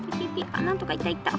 あっなんとかいったいった。